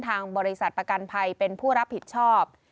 ทางบริษัทประกันภัยเป็นผู้รับผิดชอบ